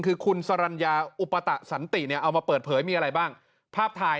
คือคุณสรรญาอุปตะสันติเนี่ยเอามาเปิดเผยมีอะไรบ้างภาพถ่าย